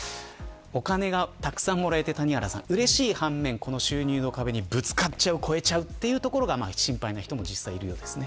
お金がたくさんもらえてうれしい反面収入の壁にぶつかっちゃう超えちゃうところが心配な人がいるようです。